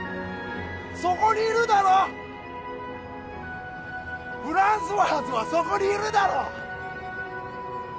そこにいるだろフランソワーズはそこにいるだろ！